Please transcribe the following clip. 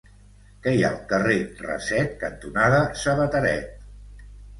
Què hi ha al carrer Raset cantonada Sabateret?